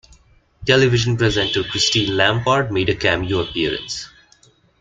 Television presenter Christine Lampard made a cameo appearance.